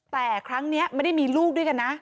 แต่ครั้งนี้ไม่ได้มีลูกด้วยกันนะ